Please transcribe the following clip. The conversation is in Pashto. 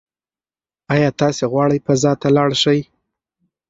ایا تاسي غواړئ فضا ته لاړ شئ؟